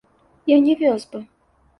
Я не вёз бы!